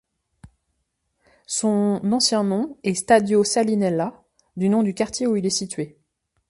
Son ancien nom est Stadio Salinella, du nom du quartier où il est situé.